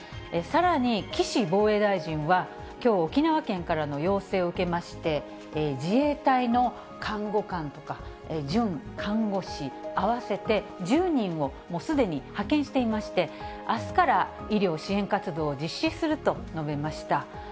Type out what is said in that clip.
さらに岸防衛大臣は、きょう、沖縄県からの要請を受けまして、自衛隊の看護官とか准看護師合わせて１０人をもうすでに派遣していまして、あすから医療支援活動を実施すると述べました。